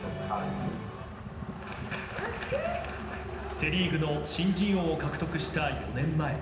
セ・リーグの新人王を獲得した４年前。